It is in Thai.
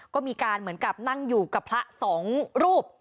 ก็มีการเหมือนกับนั่งอยู่กับพระสองรูป